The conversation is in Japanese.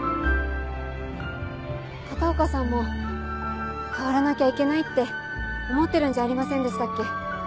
片岡さんも変わらなきゃいけないって思ってるんじゃありませんでしたっけ？